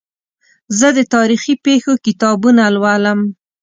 زه د تاریخي پېښو کتابونه لولم.